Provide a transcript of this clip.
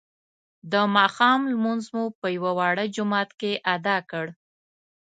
د ماښام لمونځ مو په یوه واړه جومات کې ادا کړ.